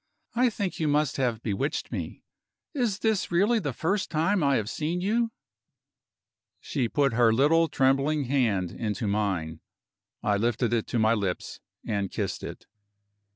I think you must have bewitched me. Is this really the first time I have seen you?" She put her little trembling hand into mine; I lifted it to my lips, and kissed it.